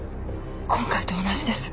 今回と同じです。